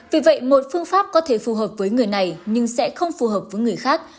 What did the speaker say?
vì vậy một phương pháp có thể phù hợp với người này nhưng sẽ không phù hợp với người khác